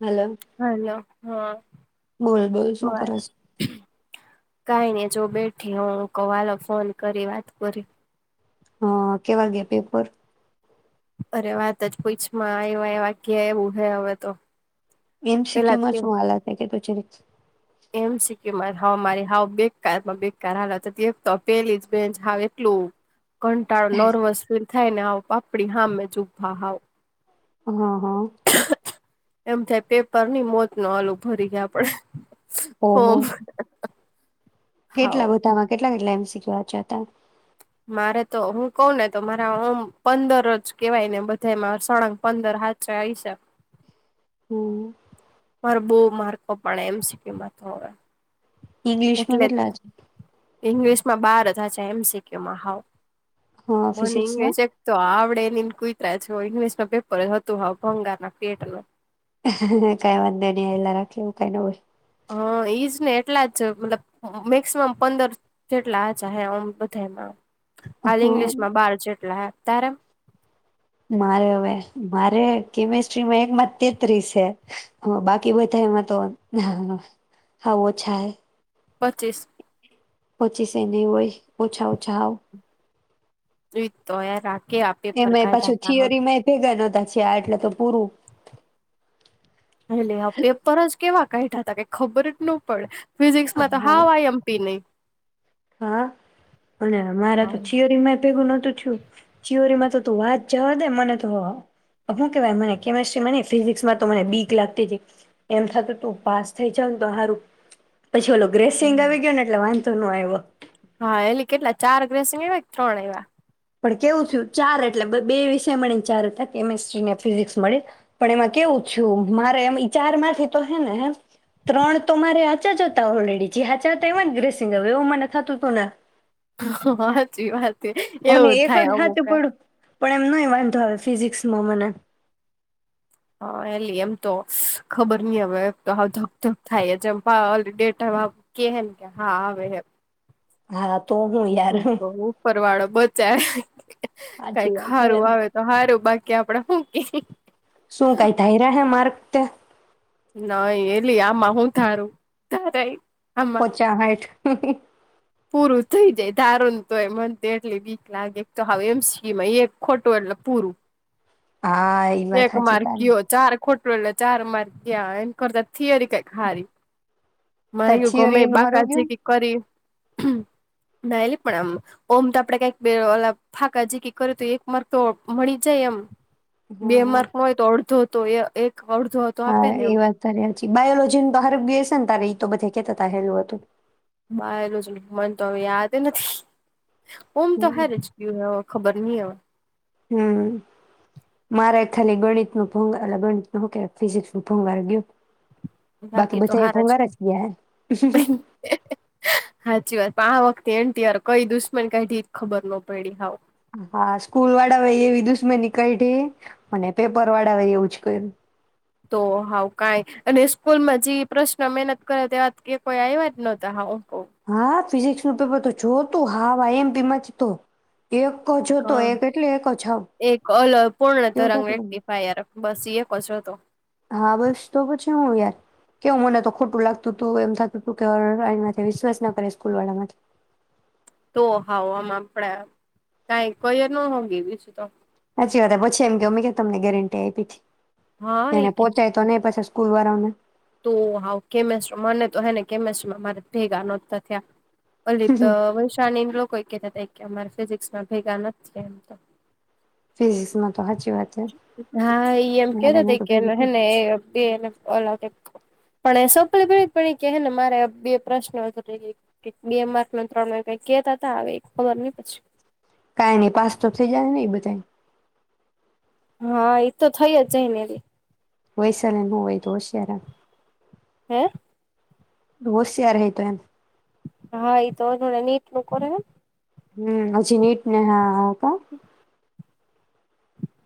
Hello hello. હા. બોલ બોલ શું બર કરે છે. કઈ ને જો બેઠી હ હું કહ હાલો ફોન કરી વાત કરી. હ કેવા ગયા પેપર. અરે વાત જ પૂછમાં આવ્યા એવા ગ્યા એવું હે હવે તો. એમ. સી. ક્. પેલા યુ જ માં કે શું હલા થ હે કે [unintelligible] [inaudible] એમ શીખ. કે માર હાવ મારી હાવ બેકારમાં બેકાર હાલત હતી એક તો પેહલીજ બેન્ચ હાવ એટલું કંટાળ નેરવસ ફિલ થાય ને આવો પાપડી હામે જ ઊભા હાવ અહ હ. એમ થાય પેપર ની મોત નો આલુ ભરી ગયા આપડે. ઓહો ફોર્મ. કેટલા બધામાં કેટલા કેટલા એમ. શીખવા જાતા. મારે તો હું કહ ને તો માર ઓમ પંદર જ કેવાય ને બધાય માં સળંગ પંદર હાચા આઈ સા. હમ્મ. માર બઉ માર્ક કપણા એમ. સી. કિયુ. માં તો હવે. ઈંગ્લિશમાં એટલે કેટલા છે? ઇંગ્લિશ એમાં બાર જ હાચા એમ. સી. ક્યુ. માં હાવ હા મનેં ફિઝિક્સમાં ઇંગલિશ એકતો આવડે ની ને કુઈતરાજ ઈંગ્લિશ ના પેપર જ હતું હાવ ભંગાર ના પેટનું. અહ હ હ કાઈ વાંધો નઈ હાલ્યા રાખે એવું કઈ ન હોય. હ ઈજ ને એટલા જ મતલબ મેક્સમા પંદર જેટલા જ હચા હે ઓમ બધાય માં. હાલ ઇંગ્લિશ હમ, માં બાર જેટલા હે. તારા મારે હવે મારે કેમેિસ્ટ્રીમાં એકમાં તેત્રીસ હે હ બાકી બધા એમાં તો હ હ હ હાવ ઓછા હે. પચીસ. પચીસ એ નઈ હોય ઓછા ઓછા હાવ. પ્રીત તોય રાખ. એમાય પાછું થીયરીમાં ભેગા ન [unintelligible] છી આયા એટલે તો પૂરું. હાલ લેવા પેપર જ કેવા. કઇ [unintelligible] તા કે ખબર જ ન પડે. ફિઝિક્સ હા માં તો હાવ આઈ. એમ. પી. નઈ. હા અને મારા તો થીયોરીમાં ભેગું નથ થયું થીઅરીમાં તો તું વાત જાવા દે, મને તો હું કેવાય મને કેમેસ્ટ્રી ને ફિઝસમાં તો મને બીક લાગતી તી, કે એમ થાતું તું પાસ થઈ જવ ને તો હારુ. પછી ઓલો ગ્રેસિંગ આવી ગયો ને એટલે વાન તનું આવ્યો. હ, એટલે કેટલા ચાર ગ્રેસીંગ આઇવા કે ત્રણ આઇવા. પણ કેવું થયું. ચાર એટલે બે વિષય મળી ને ચાર હતા. કેમેસ્ટ્રી ને ફિઝિક્સ મળી પણ એમાં કેવું થું મારે એમ ચારમાંથી તો હે ને ત્રણ તો મારે હચા જ હતા. ઓલરેડી જે હચા હતા. એમાં જ ગ્રેસિંગ આવ એવું મને થતું હતું ને, હ, હાચી વાત. અને એવું એક થાય. જ અમુક હાચું ને પડ્યું પણ એમ નહી વાંધો આવે ફિઝિકસમાં મને. હ, એલી એમ તો ખબર નહ હ તો ધક ધક થાય છે. મેટા કે ને કે હા આવે એમ, હા તો હું હ, યાર હ, ઉપરવાળો બચાય. [unintelligible] સાચી કઈક વાત હે. હારું આવે તો હારુ બાકી. કે આપણે હું કેહુ. શું કાઈ ધાર્ય હે માર્ગ તે. નઈ એલી આમાં હું તારું ધારું તારેય. આમાં પચા હાઠ પૂરું થઈ જાય. ધારૂ તોય મન તો એટલી વીક લાગે તો હ એમ સ એક ખોટું એટલે પૂરું. હા એ વાત સાચી તારી. ખોટુ એટલે ચાર માર. ત્યાં યાન કરતા થિયરી કઈક હારી. મા તાર એયુ થિયરી ગમે એનું હારું ગયું બાકાજીકી કરી. ના એલી પણ આમ ઓમ તો આપડે કઈક બે અલા ફાકાચીકી કરે તો એક માર્ગ તો મળી જાય. એમ. હા બે હા માર્ક હોય તો અડધો. તોય એક અડધો જ. હા એ વાત તારી હા. બાયોલોજી ન તો હારુ ગયું છે. ને તારે એ તો બધે કેતા તા હેલું હતું. બાયોલોજી એલું મન તો હવે યાદ નથી. ઓમ તો હમ હારે જ ગયું હ ખબર. નીય હમ્મ, મારે ખાલી ગણિતનું ભૂગાર ગણિત હું કેવાય ફિઝસ નું ભૂગાર ગીયુ. બાકી તો હારજ હે ગાય. હાચી વાત પણ આ વખતે એ ત્યાર કઈ દુશ્મન કાયધી એ ખબર નો પયડી હાવ. હા, સ્કૂલવાળા ઓયે એવી દુશ્મની કાયધી અને પેપરવાળા ઓયે એવું જ કર્યું. તો હાવ કાઈ અને સ્કૂલમાં જી પ્રશ્ન મહેનત કરે તેવા જ કે કોઈ આવ્યા જ નોતા હાવ. કવ હા થ ફિઝિક્સનું પેપર તો જો તું હાવ આઈ એમ પી માં જ હતું. ક એક અલપૂર્ણ એવું તરંગ થતું હતું. વેક્ટિફાયર બસ [unintelligible] જ હતો. હા, બસ તો પછી હું યાર કેવું મને તો ખોટું લાગતું તું એમ થતું તું કે વિશ્વાસના કરાય સ્કૂલ વાળામાંથી. તો હાવ આમ, આપડે કાઈ કોયે ન હોગી બીજુ તો હાચી વાત એ પછી એમ કે તમને ગેરંટી આપીથી. હા એ એને કે પોચાયતોને પાછા સ કોઈ વાર અમે તો હાવ કેમેસ મને તો હે ને કેમેસ મા મારે ભેગા નોતા થયા. [unintelligible] કે અમારે ફિઝિક્સમાં ભેગા નથ થયા એમ તો. ફિઝિક્સ માં તો સાચી વાત છે હા, એ એમ મારે કેતા એના તો તા કેે ભેગું એને થયું. હેને એ [unintelligible] પણ એ [unintelligible] કેહે ને મારે બે પ્રશ્ન [unintelligible] બે માર્ક ને ત્રણ માર્ક કંઈ કેતા તા અવે, ખબર નંઈ પછી કાંઈ ની, પાસ તો થઈ જાહે ને ઈ બધાય? હા, ઈ તો થઈ જ જાઈ ને અવે. વૈસાલીને બઉ, એ તો હોશ્યાર એ. હેં? હોશયાર હે એ તો એમ. હા, એ તો જોડે નીટનું કરે હે. હમ, પછી નીટ ને હા, હા, કાં?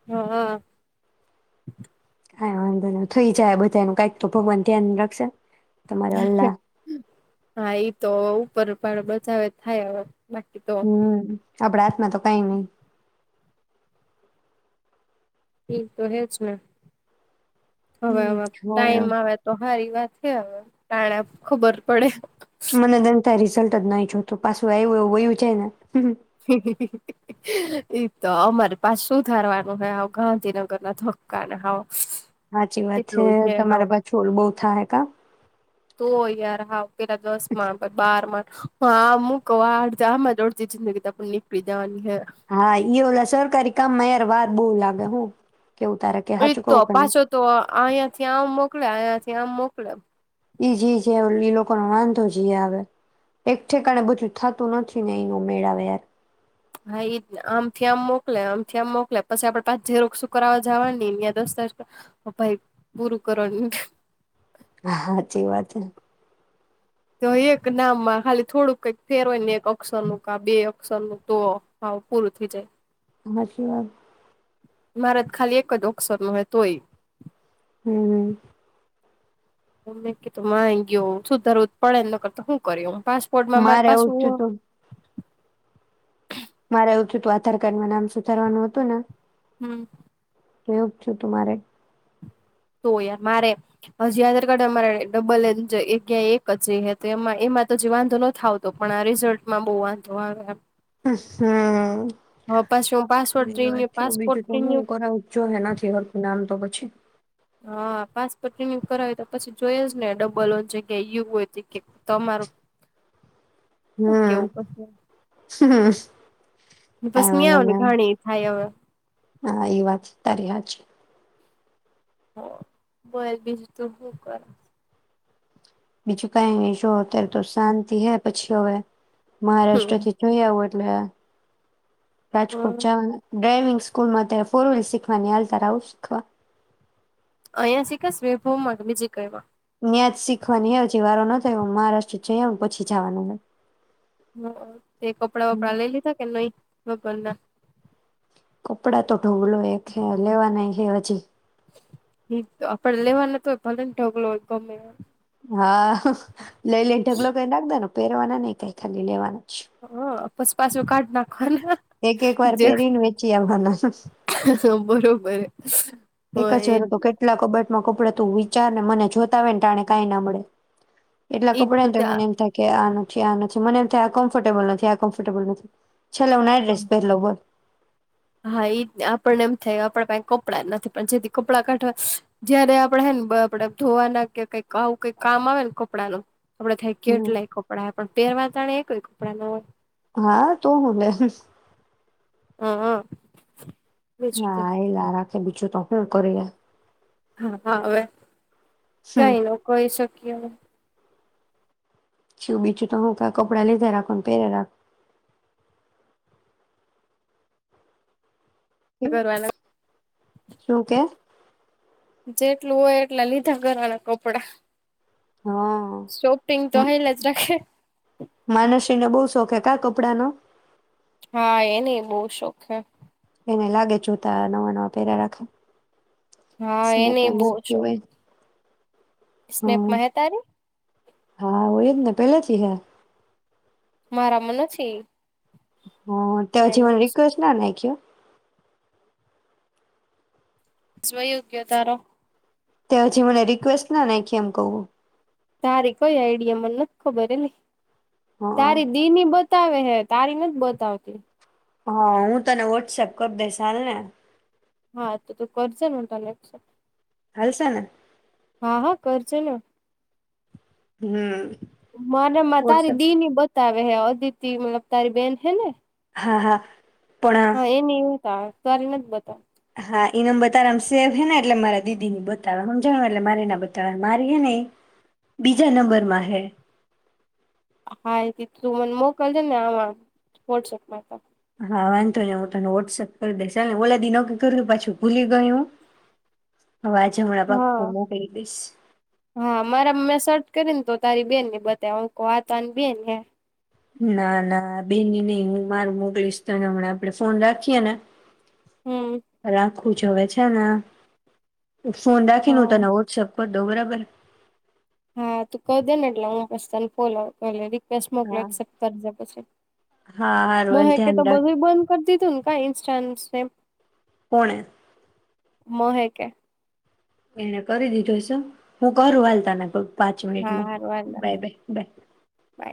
હા. કાંઈ વાંધો નઈ, થઈ જાહે બધાયનું, કાંઈક તો ભગવાન ધ્યાન રાખશેને. હા, એ તો [unintelligible] બચાવે, ત થાય અવે. હમ્મ. આપડા હાથમાં તો કાંઈ નઈ. ઈ તો રેજ ને. હવે, હવે, હમ હોય ટાઈમ આવે તો હારી [unintelligible] છે અવે, ટાણા ખબર પડે. મને દનતા રિઝલ્ટ જ નઈ જોતું, પાછું આયવુ એવું વયુ જાય ને. એ તો અમારી પાસ સુું ધારવાનું હોય, અવ ગાંધીનગરના ધક્કાને હાવ. હાચી વાત છે, કેટલું હે હાવ તમારા પાહે છોલ બઉ થાહે કાં? તો યાર, હાવ પેલા દસમાં પછી બારમાં હા, મું કઉ આડ જામજ દોડતી જિંદગી તો આપડી નીકળી જાવાની. હા, ઈ ઓલા સરકારી કામમાં યાર વાત બોઉ લાગે હું. કેવું તારે કે ઈજ સાચું તો કવું કે નહીં? પાછો તો આંઈયાથી આમ મોકલ્યા આંયાથી ત્યાં મોકલવ ઈજ ઈજ એ ઈ લોકોનો વાંધો જ ઈ આવે, એક ઠેકાણે બધું થાતું નથી ને એનું મેળા આવે યાર. હા ઈ તો આમથી આમ મોકલે, આમથી આમ મોકલે, પસી આપડે પાંચ ઝેરોક્ષું કરવવા જાવાની ન ન્યાં દસ્તાવેજ, ભાઈ પૂરું કરો ન હાચી વાત છે. તો એક નામમાં ખાલી થોડુંક કંઈક ફેર હોય ને એક અક્ષરનું કાં બે અક્ષરનું તો હાવ પૂરું થઈ જાય. હાચી વાત. મારે ત ખાલી એક જ અક્સર ન હોય તોય. હમ્મ. મે કીધું માયગયો સુધારવુ જ પડે નકર તો હું કરીય પાસપોર્ટમાં અમારે મારે પાસુ એવું થયું તું મારે એવું થયું તું આધાર કાર્ડમાં નામ સુધારવાનું હતું ને. હમ્મ એવુજ થિયું તું મેરે તો યાર મારે હજી આધાર કાર્ડ [unintelligible] એક જ હ તો એમાં એમાં તો હ વાંધો ન આવતો પણ આ રિઝલ્ટમાં બહુ વાંધો આવે. હમ્મ હવે પાછું હું પાસવર્ડ રિન્યુ વાતું બીજું પાસપોર્ટ તો રિન્યુ હું કરવું તો જોયેણે નથી હરખું નામ તો પ અચ્છા હા પાસપોર્ટ રિન્યુ કરાવી તો પછી જોઈ જ ને ડબલ જગ્યા એવું હોય હતી કે તમારું. શું હમ કેવું હ. બસ નીં આવ ને ઘણી એ થાય હવે. હા એ વાત ત રહ્યા છે. બોયલ બ છે ત હક કર. બીજું કઈ જો અત્યારે તો શાંતિ હે પછી હવે. મહારાષ્ટ્ર હમ. ત તોું આવડ. [unintelligible] [unintelligible] રાજકોટ ડ્રાઈવિંગ. સ્કૂલમાં તે ફોરવ્હીલ શીખવાની હાલતા રહ આવું. અહં શીખશ ભ બીજી ક. ન્યાજ શીખવાની હછી વારો ન થયો મહારાષ્ટ્ર જ પછી જવાનું હો. હ તે કપડાં વપડા લઈ લીધા કે નહી. હબરડા. કપડા તો. ઢોગલો એ ખેલેવા ન. [unintelligible] એ આપડે લેવાના તો ભલેન ઢગલો ગમે. હા લઈ લઈ ઢગલો કરીઈને નાખદો ને. પહેરવાના નઈ કઈ ખાલી લેવાના. જ હા. પસ પાસો કાઢ નાખ. એક એક વાર પેરીને વેચી આવાના. બરોબર એક હોય જવાર તો એટલે કેટલા કબટમાં કપડા. વિચાર ને મને જો. તોય ટાણે કઈ ના મળે. એટલા ઈ કપડા ને તો મને એમ ત્યાં થાય કે આ. છે આ નથી મને એમ થાય આ કમ્ફર્ટેબલ નથી આ કમ્ફર્ટેબલ નથી. ચલ્લો હું નાઈટડ્રેસ પેર લવ બોલ. હા એ આપણને એમ થાય આપડા પાહે કપડાં નથી પણ જેથી કપડાં કાઢવા જયારે આપડે હે આપણે ધોવાના કે કઈક આવું કઈક કામ આવે ને કપડાંનું આપડે થાય હમ. કેટલાય કપડાં પણ પેરવા ટાણે એકય ક કપડાનો હા તો હું બેસીસ. હમ્મ, હમ્મ હા એ લારા બીજું તો હું કરે. હા હવે. હમ કઈ નહી હોઈ શકે શું બીજું તો હું કાય કપડા લીધા રાખુંને પહેરેલા. રાખું કરવાના શું કે. જેટલું હોય એટલા લીધા ઘરવાળા કપડા. હા સોપિંગ તો હાઈલાજ રાખે. એને બહુ શોખ હે કા કપડા નો. હા એનેય બહુ શોખ હે. એને લાગે જોતા નવા નવા પહેરા રાખે. હા સ્નેપ એનેય પણ બો મુકતી શોક. હોય સ્નેપ હમ માં હે તારી. હા હોય જ ને પેલેથી હે. મારાંમાં નથી. હમ્મ તો પછી મને વયો રિક્વેસ્ટ ના નાખ્યો. [unintelligible] [unintelligible] યોગ્ય તારો. તે હજી મને રિક્વેસ્ટ ના નાયખી એમ કવ. તારી કોઈ આઈડિયા મને નથી ખબર એલી. હ તારી દી ની બધ બતાવે હે તારી નથી બતાવતી. હા હું તને વોટ્સએપ કરી દઈશ હાલને. હા તો તું કરસે ને [unintelligible] હાલસે ને. પણ છેને હમ મને માં તારી વોટ્સએપ દી ની બતાવે. અહીંયા અદિતિમાં તારી બેન હે ને. હા હા પણ હા એની તા તારી નથ બતાવ. હા ઈ નંબર તારામાં સેવ હે ને એટલે મારા દીદી ને બતાવે સમજણો એટલે મારે ના બતાવે મારી હે ને એ બીજા નંબરમાં હૈ. હા એ [unintelligible] મને મોકલજે ને આવા વોટ્સએપમાં [unintelligible] હા વાંધો ને હું તને વોટ્સએપ કરી દઈશ ચાલ ને ઓલા દિન નોકી કર પાછું ભૂલી ગઈ હો. હવે આજે હમણાં હા [unintelligible] દઈશ. કરી ને તો તારી બેન ને બતા અંકો આ તો બેન હે. ના ના બેની નઈ હું મારું મોકલીશ તને હમણા આપડે ફોન રાખીએ ને હમ હરા ખુંજવે છે ને ફોન રાખીને હુ હા તને વોટ્સઅપ [unintelligible] હા તું ક દે ને એટલે હુ પસ તને [unintelligible] [unintelligible] મોકલો હા એસેપ્ટ કરીજે પછી હા હારું હાલ મોહેકે તો ધ્યાન રાખ બધું ઈ બંધ કરી દીધું ને કઈ ઇન્સ્ટા ને સેમ પોણે મહેક એ એને કરી દીધું હશે હું કરું હાલતાના પગ પાંચ હા મિનિટમાં હારું હાલ બાય બાય બાય. બાય